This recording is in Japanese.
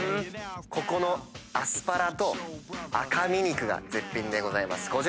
ここのアスパラと赤身肉が絶品でございます。